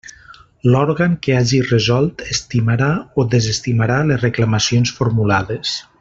L'òrgan que hagi resolt, estimarà o desestimarà les reclamacions formulades.